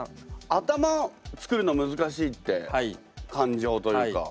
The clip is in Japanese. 頭作るの難しいって感情というか。